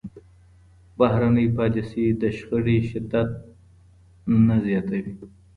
بهرنۍ پالیسي د شخړو شدت نه زیاتوي.